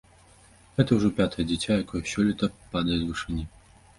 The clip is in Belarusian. Гэта ўжо пятае дзіця, якое сёлета падае з вышыні.